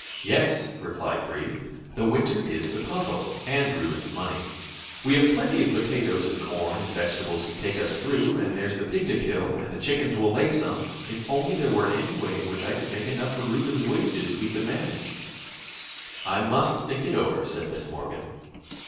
"Yes," replied Brie; "the winter is the puzzle, and Reuben's money. We have plenty of potatoes and corn and vegetables to take us through, and there's the pig to kill, and the chickens will lay some; if only there were any way in which I could make enough for Reuben's wages, we could manage." "I must think it over," said Miss Morgan.